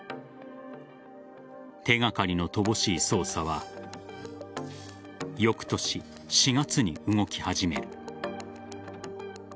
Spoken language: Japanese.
手がかりの乏しい捜査は翌年４月に動き始める。